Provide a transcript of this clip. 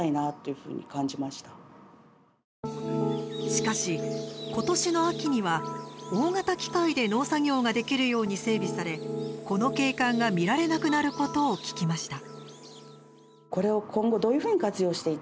しかし、今年の秋には大型機械で農作業ができるように整備されこの景観が見られなくなることを聞きました。